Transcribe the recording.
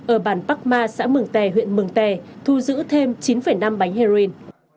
ở bản bắc ma xã mường tè huyện mường tè thu giữ thêm chín năm bánh heroin